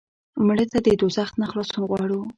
مړه ته د دوزخ نه خلاصون غواړو